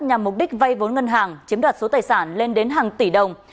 nhằm mục đích vay vốn ngân hàng chiếm đoạt số tài sản lên đến hàng tỷ đồng